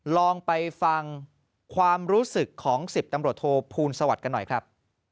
ลองไปฟังความรู้สึกของ๑๐ตำรวจโทภูลสวัสดิ์กันหน่อยครับ